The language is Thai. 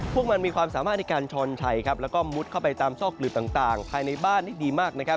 พวกมันมีความสามารถในการช้อนชัยครับแล้วก็มุดเข้าไปตามซอกหลืบต่างภายในบ้านได้ดีมากนะครับ